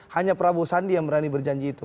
hanya prabowo sandi yang berani berjanji itu